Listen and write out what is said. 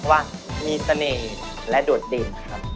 เพราะว่ามีเสน่ห์และโดดเตรียมครับ